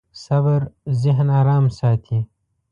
صبر ذهن ارام ساتي.